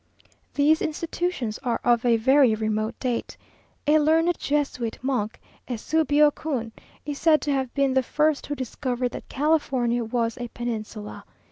These institutions are of a very remote date. A learned Jesuit monk, Eusebio Kuhn, is said to have been the first who discovered that California was a peninsula.